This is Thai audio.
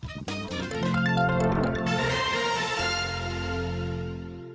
สวัสดีค่ะ